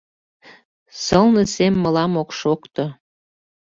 Сылне сем мылам ок шокто